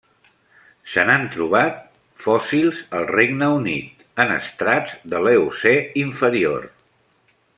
Se n'han trobat fòssils al Regne Unit, en estrats de l'Eocè inferior.